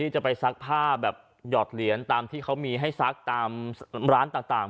จะไปซักผ้าแบบหยอดเหรียญตามที่เขามีให้ซักตามร้านต่าง